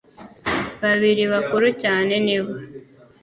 Babiri bakuru cyane ni bo